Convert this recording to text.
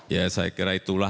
ya saya kira itulah